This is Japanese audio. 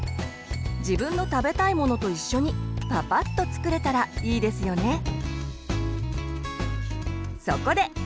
自分の食べたいものと一緒にパパッと作れたらいいですよね。